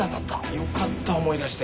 よかった思い出して。